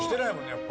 やっぱ。